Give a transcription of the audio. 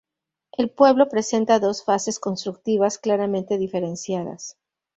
El pueblo presenta dos fases constructivas claramente diferenciadas.